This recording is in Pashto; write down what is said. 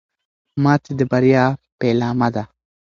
ماتې د بریا پیلامه ده.